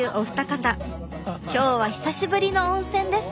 今日は久しぶりの温泉です。